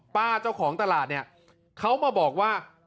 เจ้าของตลาดเนี่ยเขามาบอกว่า